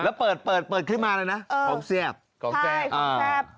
แล้วเปิดไปเปิดเข้ามาเลยนะเออของแซ่บของแซ่บ